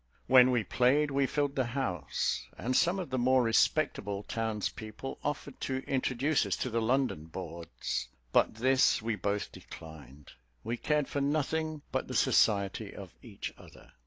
When we played, we filled the house; and some of the more respectable townspeople offered to introduce us to the London boards, but this we both declined. We cared for nothing but the society of each other.